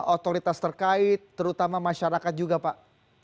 otoritas terkait terutama masyarakat juga pak